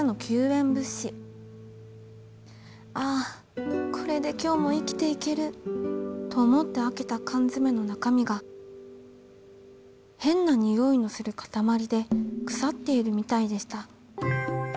ああこれで今日も生きていけると思って開けた缶詰の中身が変なにおいのする塊で腐っているみたいでした。